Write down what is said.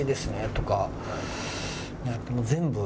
全部。